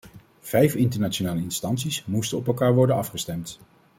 Vijf internationale instanties moesten op elkaar worden afgestemd.